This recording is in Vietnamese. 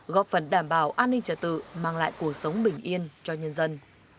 góp phần đảm bảo an ninh trả tự mang lại cuộc sống bình yên cho nhân dân